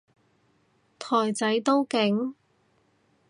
台仔都勁？